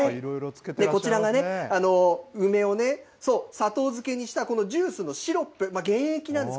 こちらがね、梅をね、砂糖漬けにしたこのジュースのシロップ、原液なんです。